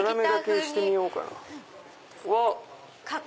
うわっ！